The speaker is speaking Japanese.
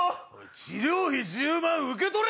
治療費１０万受け取れ！